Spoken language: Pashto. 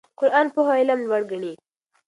قرآن پوهه او علم لوړ ګڼي.